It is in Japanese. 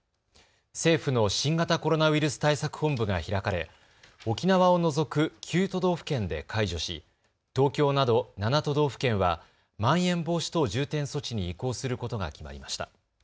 政府の新型コロナウイルス対策本部が開かれ沖縄を除く９都道府県で解除し東京など７都道府県はまん延防止等重点措置に移行することが決まりました。